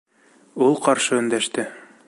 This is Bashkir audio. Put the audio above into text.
Ул ҡаршы өндәште: